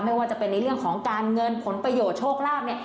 ไม่ว่าจะเป็นในเรื่องของการเงินผลประโยชน์โชคลาภเนี่ย